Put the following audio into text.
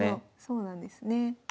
そうなんですね。